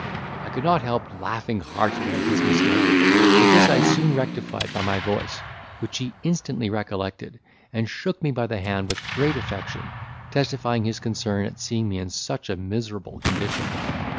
I could not help laughing heartily at his mistake; but this I soon rectified by my voice, which he instantly recollected, and shook me by the hand with great affection, testifying his concern at seeing me in such a miserable condition.